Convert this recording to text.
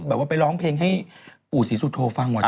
แบบว่าไปร้องเพลงให้อู๋ศิสุทธวฟังก่อนเจอ